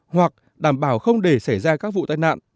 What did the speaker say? hoặc đảm bảo không để xảy ra các vụ tai nạn